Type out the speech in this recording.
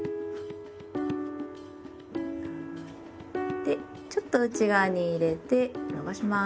でちょっと内側に入れて伸ばします。